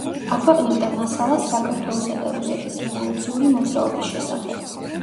აქვეყნებდა მასალას საქართველოსა და რუსეთის რევოლუციური მოძრაობის შესახებ.